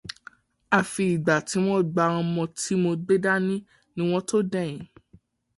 Àfi ìgbà tí wọ́n gba omi tí mo gbé dání ni wọ́n tó dẹ̀yìn.